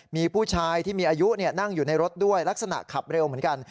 มีผู้ชายที่มีอายุนั่งอยู่ในรถด้วยลักษณะขับเร็วเหมือนกัน